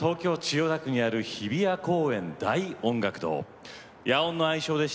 東京千代田区にある日比谷公園大音楽堂。